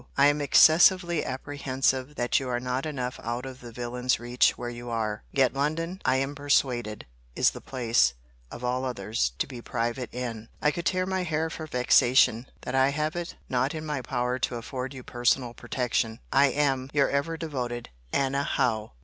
I am excessively apprehensive that you are not enough out of the villain's reach where you are. Yet London, I am persuaded, is the place, of all others, to be private in. I could tear my hair for vexation, that I have it not in my power to afford you personal protection!—I am Your ever devoted ANNA HOWE.